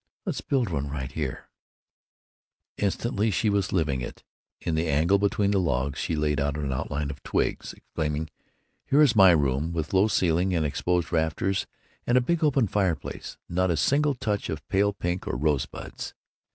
"Let's build one right here." Instantly she was living it. In the angle between the logs she laid out an outline of twigs, exclaiming: "Here is my room, with low ceiling and exposed rafters and a big open fireplace. Not a single touch of pale pink or rosebuds!"